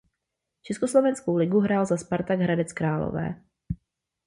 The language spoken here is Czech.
Československou ligu hrál za Spartak Hradec Králové.